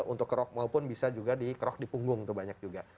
untuk kerok maupun bisa juga dikerok di punggung tuh banyak juga